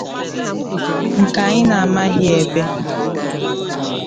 nke anyị na-amaghị ebe